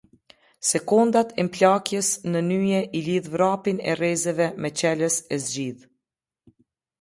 Sekondat e mplakjes në nyje i lidh vrapin e rrezeve me çelës e zgjidh.